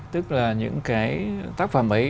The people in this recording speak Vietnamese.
tức là những tác phẩm ấy